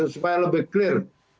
supaya lebih clear